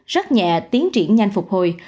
rất nhẹ tiến triển nhanh phục hồi